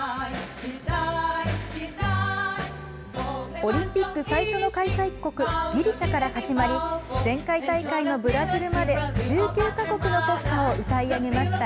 オリンピック最初の開催国ギリシャから始まり前回大会のブラジルまで１９か国の国歌を歌い上げました。